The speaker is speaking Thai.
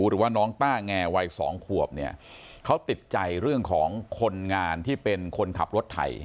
หรือว่าน้องต้าแงวัยสองขวบเนี่ยเขาติดใจเรื่องของคนงานที่เป็นคนขับรถไถ